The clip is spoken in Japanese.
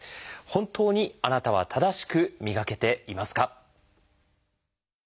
本当にあなたは正しく磨けていますか？